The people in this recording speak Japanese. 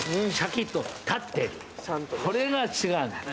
これが違うんだな。